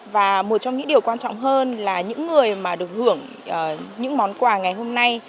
và một trong những điều quan trọng hơn là những người mà được hưởng những món quà ngày hôm nay